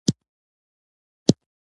چای په ښیښه یې ګیلاس کې خوند کوي .